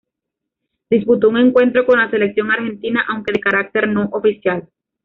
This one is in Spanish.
Disputó un encuentro con la Selección Argentina, aunque de carácter no oficial.